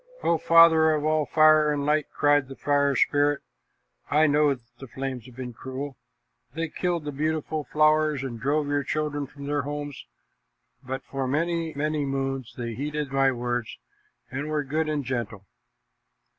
"O father of all fire and light," cried the Fire Spirit, "I know that the flames have been cruel. They killed the beautiful flowers and drove your children from their homes, but for many, many moons they heeded my words and were good and gentle.